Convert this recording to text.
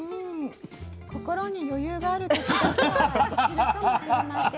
心に余裕がある時だけは作るかもしれません。